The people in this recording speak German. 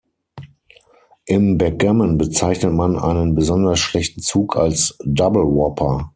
Im Backgammon bezeichnet man einen besonders schlechten Zug als "Double Whopper".